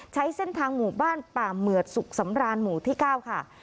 ใช้เส้นทางหมู่บ้านป่าเหมือดสุขสำรานหมู่ที่๙ค่ะ